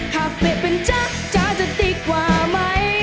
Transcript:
ถ้าเป๊ะเป็นจ๊ะจ๊ะจะตีกว่าไหม